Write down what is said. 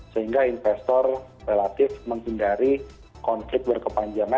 sehingga investor relatif menghindari konflik berkepanjangan